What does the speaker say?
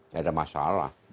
tidak ada masalah